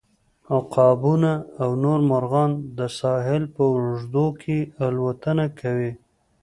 عقابونه او نور مرغان د ساحل په اوږدو کې الوتنه کوي